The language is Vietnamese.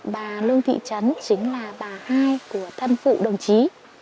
bà lương thị trấn chính là bà hai của thân phụ đồng chí